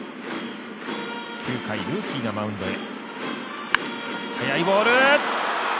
９回、ルーキーがマウンドへ。